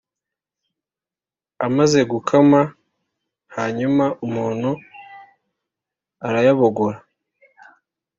Amaze gukama hanyuma umuntu arayabogora